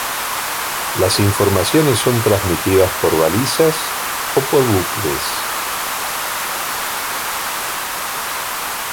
Las informaciones son transmitidas por balizas o por bucles.